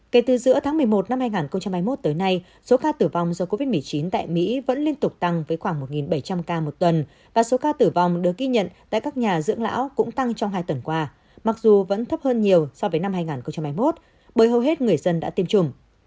kể từ giữa tháng một mươi một năm hai nghìn hai mươi một tới nay số ca tử vong do covid một mươi chín tại mỹ vẫn liên tục tăng với khoảng một bảy trăm linh ca một tuần và số ca tử vong được ghi nhận tại các nhà dưỡng lão cũng tăng trong hai tuần qua mặc dù vẫn thấp hơn nhiều so với năm hai nghìn hai mươi một bởi hầu hết người dân đã tiêm chủng